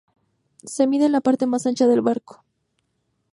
Se mide en la parte más ancha del barco.